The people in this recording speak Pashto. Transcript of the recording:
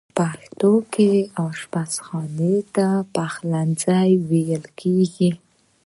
په پښتو کې آشپز خانې ته پخلنځی ویل کیږی.